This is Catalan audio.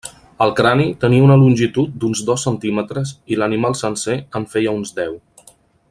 El crani tenia una longitud d'uns dos centímetres i l'animal sencer en feia uns deu.